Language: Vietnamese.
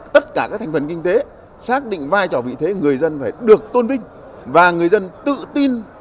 tất cả các thành phần kinh tế xác định vai trò vị thế người dân phải được tôn vinh và người dân tự tin